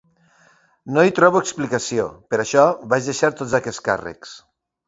No hi trobo explicació, per això vaig deixar tots aquests càrrecs.